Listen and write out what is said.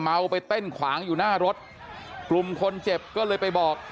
เอาไปเต้นขวางอยู่หน้ารถกลุ่มคนเจ็บก็เลยไปบอก